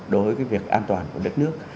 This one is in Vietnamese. đối với việc an toàn của đất nước